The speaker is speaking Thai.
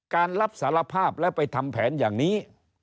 การรับสารภาพและไปทำแผนอย่างนี้